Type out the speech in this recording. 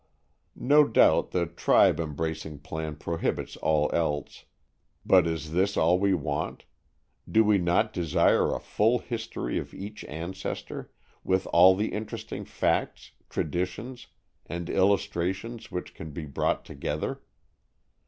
No doubt the tribe embracing plan prohibits all else, but is this all we want? Do we not desire a full history of each ancestor, with all the interesting facts, traditions and illustrations which can be brought together?